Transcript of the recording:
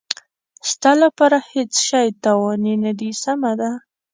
ستا لپاره هېڅ شی تاواني نه دی، سمه ده.